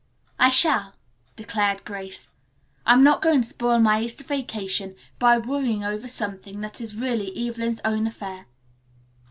"I shall," declared Grace. "I'm not going to spoil my Easter vacation by worrying over something that is really Evelyn's own affair."